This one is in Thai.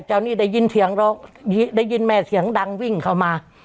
ตอนนี้ได้ยินแม่เสียงดังวิ่งเข้ามา